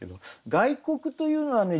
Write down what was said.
外国というのはね